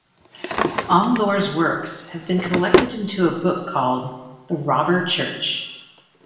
Omlor's works have been collected into a book called "The Robber Church".